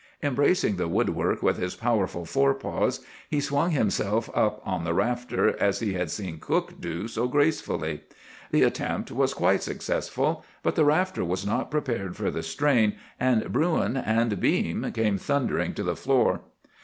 Embracing the woodwork with his powerful forepaws, he swung himself up on the rafter, as he had seen cook do so gracefully. The attempt was quite successful; but the rafter was not prepared for the strain, and Bruin and beam came thundering to the floor.